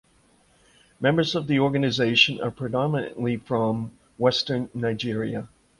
Members of the organization are predominantly from Western Nigeria.